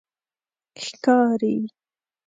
ښکاری